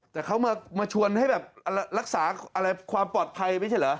แต่เขามาชวนให้แบบรักษาอะไรความปลอดภัยไม่ใช่เหรอ